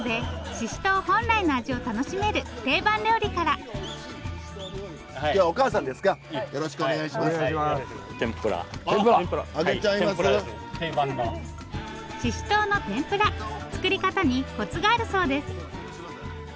ししとうの天ぷら作り方にコツがあるそうです。